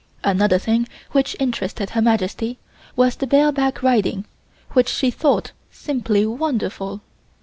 Another thing which interested Her Majesty was the bare back riding, which she thought simply wonderful.